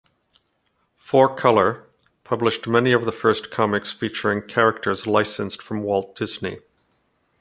"Four Color" published many of the first comics featuring characters licensed from Walt Disney.